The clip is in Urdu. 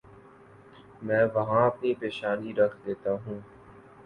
میں وہاں اپنی پیشانی رکھ دیتا ہوں۔